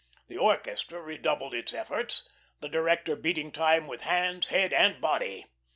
The orchestra redoubled its efforts, the director beating time with hands, head, and body.